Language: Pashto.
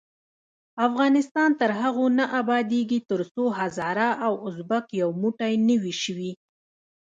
افغانستان تر هغو نه ابادیږي، ترڅو هزاره او ازبک یو موټی نه وي شوي.